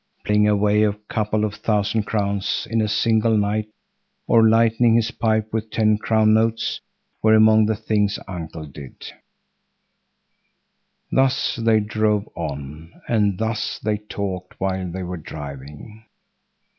Playing away a couple of thousand crowns in a single night, or lighting his pipe with ten crown notes, were among the things Uncle did. Thus they drove on, and thus they talked while they were driving.